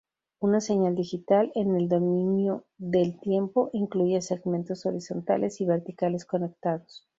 Una señal digital, en el dominio del tiempo, incluye segmentos horizontales y verticales conectados.